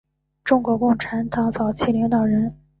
中国共产党早期领导人。